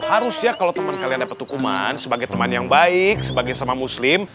harusnya kalau teman kalian dapat hukuman sebagai teman yang baik sebagai sama muslim